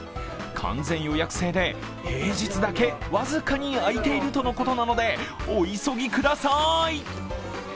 完全予約制で平日だけ僅かにあいているとのことなのでお急ぎください。